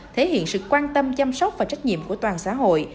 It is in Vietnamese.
thể hiện sự quan tâm chăm sóc và trách nhiệm của toàn xã hội